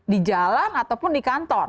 di jalan ataupun di kantor